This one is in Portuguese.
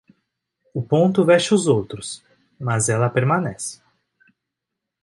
O ponto veste os outros, mas ela permanece.